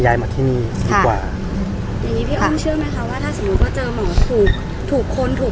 ภาษาสนิทยาลัยสุดท้าย